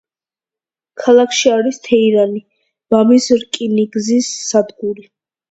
ქალაქში არის თეირანი–ბამის რკინიგზის სადგური.